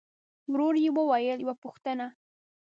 ورو يې وويل: يوه پوښتنه!